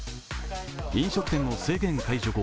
飲食店の制限解除後